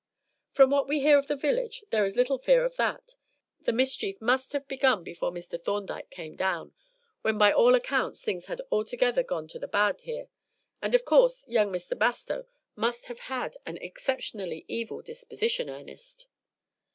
"From what we hear of the village, there is little fear of that; the mischief must have begun before Mr. Thorndyke came down, when by all accounts things had altogether gone to the bad here, and of course young Bastow must have had an exceptionally evil disposition, Ernest."